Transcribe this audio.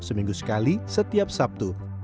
seminggu sekali setiap sabtu